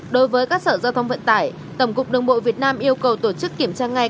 đối với các sở giao thông vận tải tổng cục đường bộ việt nam yêu cầu tổ chức kiểm tra ngay